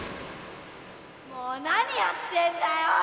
もう何やってんだよ！